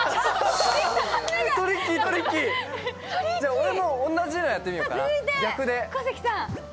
俺も同じのやってみようかな、逆で。